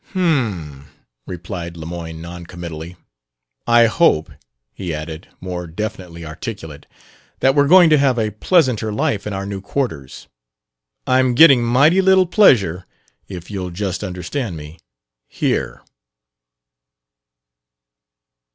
"H'm!" replied Lemoyne non committally. "I hope," he added, more definitely articulate, "that we're going to have a pleasanter life in our new quarters. I'm getting mighty little pleasure if you'll just understand me here!"